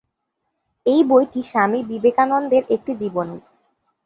এই বইটি স্বামী বিবেকানন্দের একটি জীবনী।